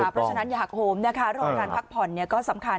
เพราะฉะนั้นอย่าหักโฮมนะคะโรคการพักผ่อนเนี่ยก็สำคัญ